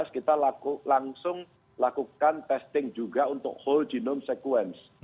kita langsung lakukan testing juga untuk whole genome sequence